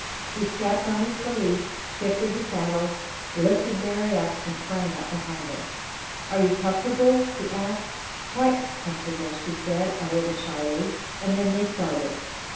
He strapped on his valise, shifted his saddle, lifted Mary up, and sprang up behind her. "Are you comfortable?" he asked. "Quite comfortable," she said, a little shyly, and then they started.